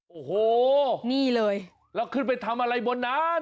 โโหงนี่เลยกันไปทำอะไรบนเมืองนั้น